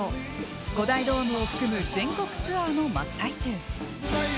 ５大ドームを含む全国ツアーの真っ最中。